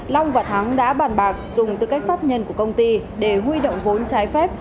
long và thắng đã bàn bạc dùng tư cách pháp nhân của công ty để huy động vốn trái phép